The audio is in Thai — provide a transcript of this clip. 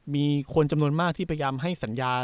มีคนจำนวนมากที่พยายามให้สัญญา